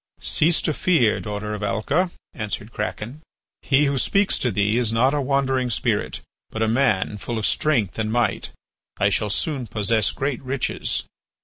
"Cease to fear, daughter of Alca," answered Kraken. "He who speaks to thee is not a wandering spirit, but a man full of strength and might. I shall soon possess great riches."